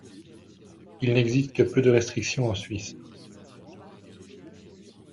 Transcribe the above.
Il n'existe que peu de restrictions en Suisse.